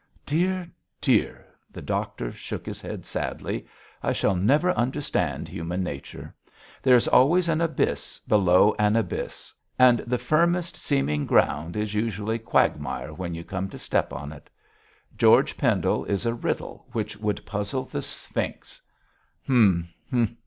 Dear, dear,' the doctor shook his head sadly, 'I shall never understand human nature; there is always an abyss below an abyss, and the firmest seeming ground is usually quagmire when you come to step on it. George Pendle is a riddle which would puzzle the Sphinx. Hum! hum!